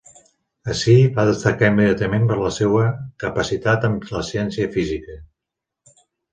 Ací, va destacar immediatament per la seua capacitat amb la ciència física.